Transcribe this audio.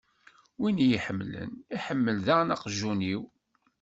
Win i y-iḥemmlen, iḥemmel daɣen aqjun-iw.